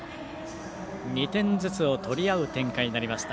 ２点ずつを取り合う展開になりました。